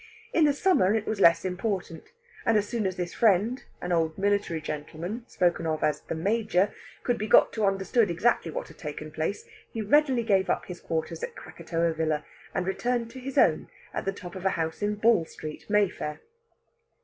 In the summer it was less important; and as soon as this friend, an old military gentleman spoken of as "the Major," could be got to understand exactly what had taken place, he readily gave up his quarters at Krakatoa Villa, and returned to his own, at the top of a house in Ball Street, Mayfair.